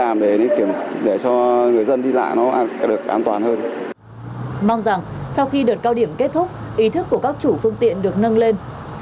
mong rằng sau khi đợt cao điểm kết thúc ý thức của các chủ phương tiện được nâng lên